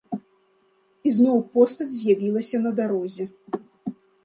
І зноў постаць з'явілася на дарозе.